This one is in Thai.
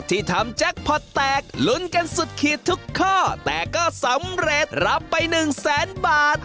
ที่ทำแจ็คพอร์ตแตกลุ้นกันสุดขีดทุกข้อแต่ก็สำเร็จรับไปหนึ่งแสนบาท